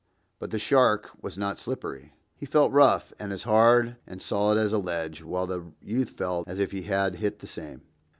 But the shark was not slippery. He felt rough, and as hard and solid as a ledge, while the youth felt as if he had hit that same.